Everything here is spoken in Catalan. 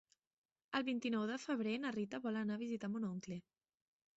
El vint-i-nou de febrer na Rita vol anar a visitar mon oncle.